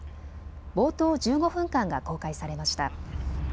冒頭１５分間が公開されました。